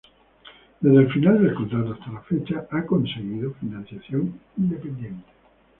Desde el final del contrato hasta la fecha, ha conseguido financiación independiente.